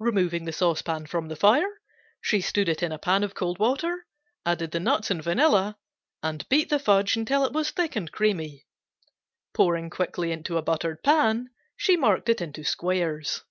Removing the saucepan from the fire, she stood it in a pan of cold water, added the nuts and vanilla and beat the fudge until it was thick and creamy. Pouring quickly into a buttered pan she marked it into squares.